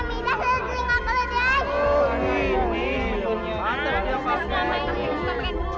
iya nih kemana ya